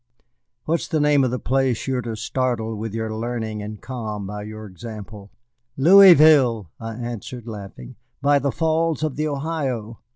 What is the name of the place you are to startle with your learning and calm by your example?" "Louisville," I answered, laughing, "by the Falls of the Ohio."